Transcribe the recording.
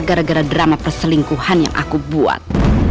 gara gara drama perselingkuhan yang aku buat